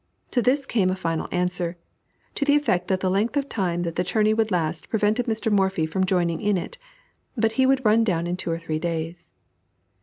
To this came a final answer, to the effect that the length of time that the tourney would last prevented Mr. Morphy from joining in it, but he would run down in two or three days.